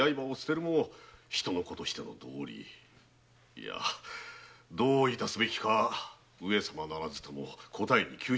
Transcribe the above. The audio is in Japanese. いやどう致すべきか上様ならずとも答に窮しますな。